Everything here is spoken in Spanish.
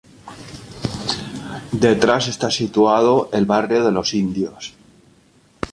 Detrás está situado el barrio de los indios.